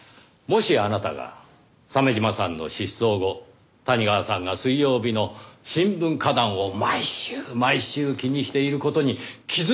もしあなたが鮫島さんの失踪後谷川さんが水曜日の新聞歌壇を毎週毎週気にしている事に気づいたとしたら。